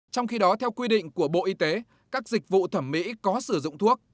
trong khi đó theo quy định của bộ y tế các dịch vụ thẩm mỹ có sử dụng thuốc